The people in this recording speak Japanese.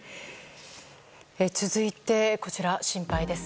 続いて、こちら心配です。